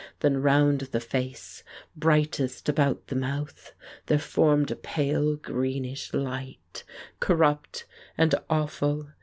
Then round the face, brightest about the mouth, there formed a pale greenish light, corrupt and awful.